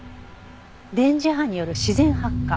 電磁波による自然発火？